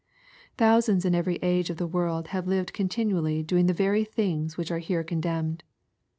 Thousands in every age of the world have lived continually doing the very things which are here condemned.